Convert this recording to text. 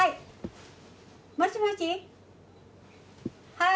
☎はい。